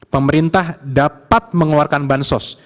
pemerintah dapat mengeluarkan bansos